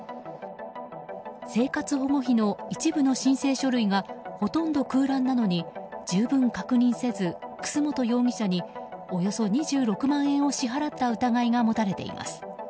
生活保護費の一部の申請書類がほとんど空欄なのに十分確認せず、楠本容疑者におよそ２６万円を支払った疑いが持たれています。